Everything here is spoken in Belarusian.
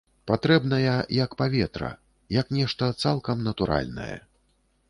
Патрэбная як паветра, як нешта цалкам натуральнае.